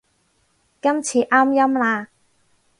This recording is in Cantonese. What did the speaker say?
今次啱音啦